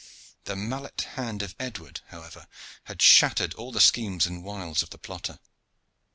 The mallet hand of Edward, however, had shattered all the schemes and wiles of the plotter.